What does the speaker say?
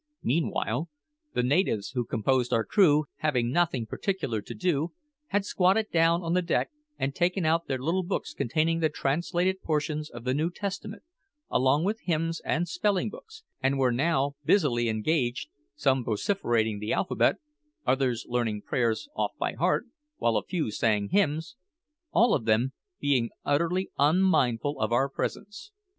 Meanwhile the natives who composed our crew, having nothing particular to do, had squatted down on the deck and taken out their little books containing the translated portions of the New Testament, along with hymns and spelling books, and were now busily engaged some vociferating the alphabet, others learning prayers off by heart, while a few sang hymns all of them being utterly unmindful of our presence.